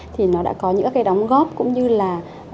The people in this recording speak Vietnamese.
thì nó đã có những cái đóng góp cũng như là